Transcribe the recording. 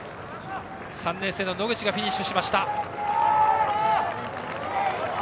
３年生の野口がフィニッシュ。